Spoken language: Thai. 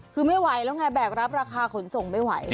คือไม่ไหวแล้วไงแบกรับราคาขนส่งไม่ไหว